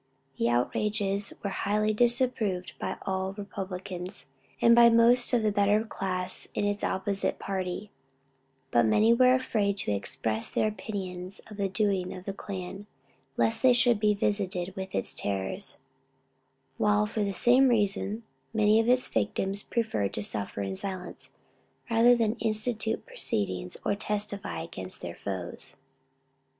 The outrages were highly disapproved by all Republicans and by most of the better class in the opposite party; but many were afraid to express their opinions of the doings of the Klan, lest they should be visited with its terrors; while for the same reason, many of its victims preferred to suffer in silence rather than institute proceedings, or testify against their foes.